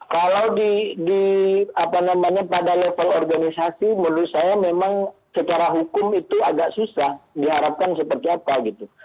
kalau di apa namanya pada level organisasi menurut saya memang secara hukum itu agak susah diharapkan seperti apa gitu